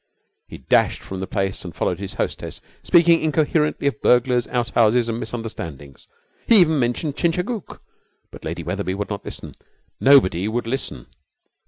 He dashed from the place and followed his hostess, speaking incoherently of burglars, outhouses, and misunderstandings. He even mentioned Chingachgook. But Lady Wetherby would not listen. Nobody would listen.